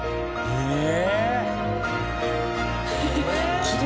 へえ。